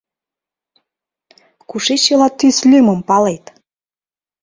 — Кушеч чыла тӱс лӱмым палет?